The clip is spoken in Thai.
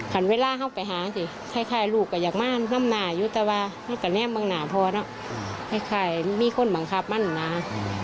ผ่านเวลาเข้าไปหาสิคล้ายลูกก็อยากมาน้ำหนาอยู่แต่ว่าตอนนี้มันหนาพอแล้วคล้ายมีคนบังคับมันหนา